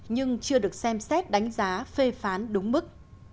nhưng chưa được xem xét đánh giá phê phán đúng mức